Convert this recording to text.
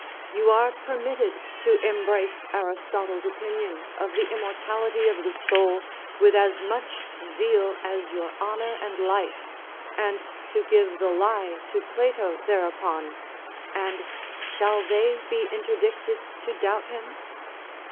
You are permitted to embrace Aristotle's opinions of the immortality of the soul with as much zeal as your honour and life, and to give the lie to Plato thereupon, and shall they be interdicted to doubt him?